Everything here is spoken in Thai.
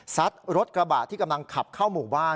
ซัดรถกระบะที่กำลังขับเข้าหมู่บ้าน